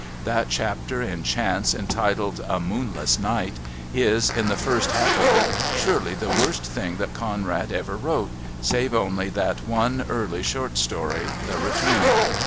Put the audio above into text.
That chapter in Chance entitled A Moonless Night is, in the first half of it, surely the worst thing that Conrad ever wrote, save only that one early short story, The Return.